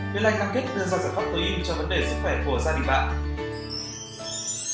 vietlite cam kết đưa ra giải pháp tối yên cho vấn đề sức khỏe của gia đình bạn